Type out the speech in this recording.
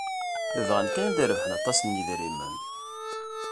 Bɣan kan ad d-rebḥen aṭas n yedrimen.